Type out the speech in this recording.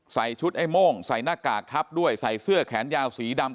ใส่ชุดไอ้โม่งใส่หน้ากากทับด้วยใส่เสื้อแขนยาวสีดำ